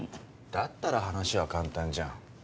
だったら話は簡単じゃん。